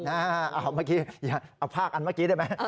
เมื่อกี้อย่าเอาภาคอันเมื่อกี้ได้ไหม